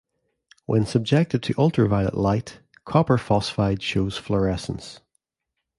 When subjected to ultraviolet light, copper phosphide shows fluorescence.